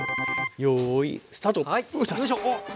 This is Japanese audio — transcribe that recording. よいスタート。